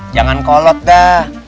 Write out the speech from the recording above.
jangan kolot dah